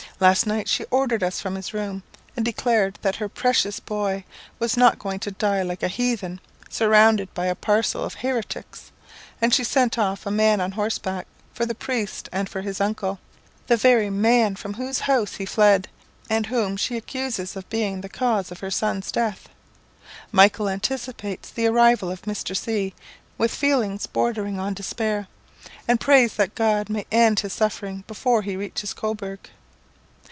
Last night she ordered us from his room, and declared that her 'precious bhoy was not going to die like a hathen, surrounded by a parcel of heretics;' and she sent off a man on horseback for the priest and for his uncle the very man from whose house he fled, and whom she accuses of being the cause of her son's death. Michael anticipates the arrival of Mr. C with feelings bordering on despair, and prays that God may end his sufferings before he reaches Cobourg.